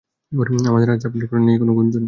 আমাদের আর চাপ নেয়ার দরকার নেই গুঞ্জন।